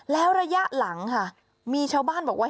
แล้วระยะหลังค่ะมีชาวบ้านบอกว่า